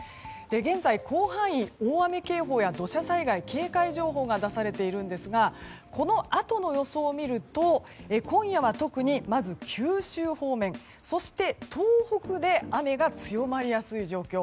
現在、広範囲に大雨警報や土砂災害警戒情報が出されているんですがこのあとの予想を見ると今夜は特に、まず九州方面そして、東北で雨が強まりやすい状況。